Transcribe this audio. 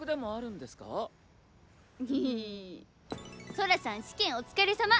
ソラさん試験お疲れさま！